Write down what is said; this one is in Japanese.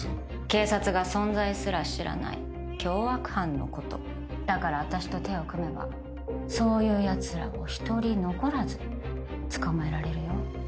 警察が存在すら知らない凶悪犯のことだからあたしと手を組めばそういうやつらを一人残らず捕まえられるよ